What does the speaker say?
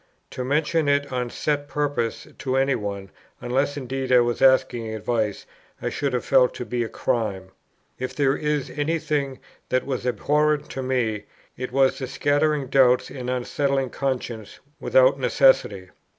To mention it on set purpose to any one, unless indeed I was asking advice, I should have felt to be a crime. If there is any thing that was abhorrent to me, it was the scattering doubts, and unsettling consciences without necessity.